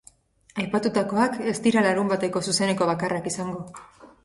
Aipatutakoak ez dira larunbateko zuzeneko bakarrak izango.